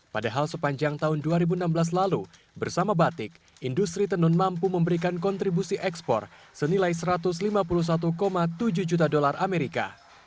padahal sepanjang tahun dua ribu enam belas lalu bersama batik industri tenun mampu memberikan kontribusi ekspor senilai satu ratus lima puluh satu tujuh juta dolar amerika